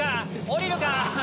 下りるか？